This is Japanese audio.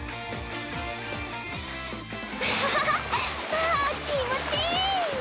わあ気持ちいい！